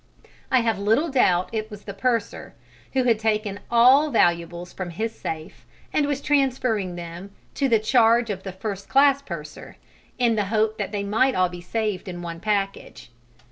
I have little doubt it was the purser, who had taken all valuables from his safe and was transferring them to the charge of the first class purser, in the hope they might all be saved in one package.